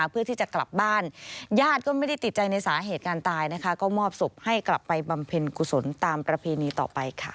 เป็นกุศลตามประเพณีต่อไปค่ะ